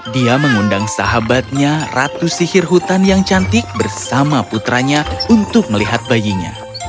dia mengundang sahabatnya ratu sihir hutan yang cantik bersama putranya untuk melihat bayinya